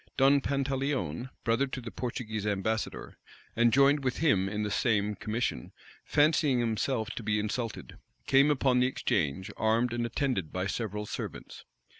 Don Pantaleon, brother to the Portuguese ambassador, and joined with him in the same commission,[*] fancying himself to be insulted, came upon the exchange, armed and attended by several servants.